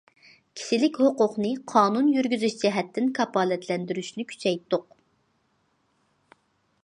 كىشىلىك ھوقۇقنى قانۇن يۈرگۈزۈش جەھەتتىن كاپالەتلەندۈرۈشنى كۈچەيتتۇق.